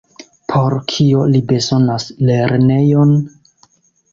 Por kio li bezonas lernejon?